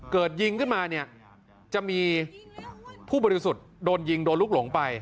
เกิดยิงขึ้นมาเนี่ยจะมีผู้บริสุทธิ์โดนยิงโดนลูกหลงไป